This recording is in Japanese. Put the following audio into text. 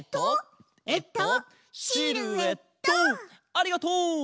ありがとう！